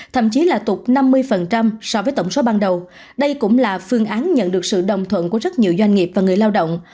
thậm chí là tụt năm mươi so với tổng số ban đầu đây cũng là phương án nhận được sự đồng thuận của rất nhiều doanh nghiệp và người lao động